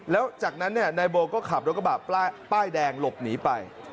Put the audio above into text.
แล้วจากนั้นนายโบก็ขับรถกระบะป้ายแดงหลบหนีไป